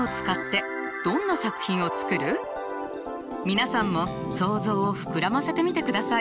皆さんも想像を膨らませてみてください。